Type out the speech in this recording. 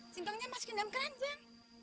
singkongnya masih ke jam keranjang